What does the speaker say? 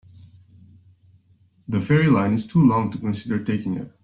The ferry line is too long to consider taking it.